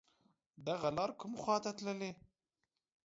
دغه لار کوم خواته تللی